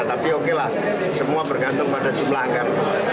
tapi oke lah semua bergantung pada jumlah akan